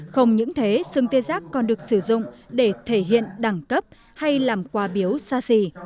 không những thế sừng tê giác còn được sử dụng để thể hiện đẳng cấp hay làm quà biếu xa xỉ